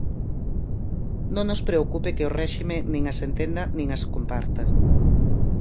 Non nos preocupe que o réxime nin as entenda nin as comparta.